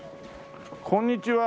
こんにちは。